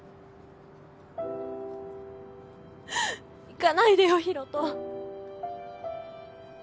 行かないでよ広斗。